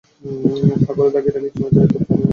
হা করে তাকিয়ে থাকিস না, যা এক কাপ চা নিয়ে আয়।